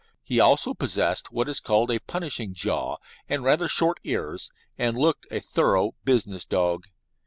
He also possessed what is called a "punishing jaw" and rather short ears, and looked a thorough "business" dog.